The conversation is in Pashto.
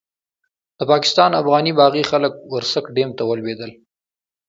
د پاکستان افغاني باغي خلک ورسک ډېم ته ولوېدل.